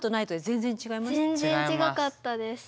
全然違かったです。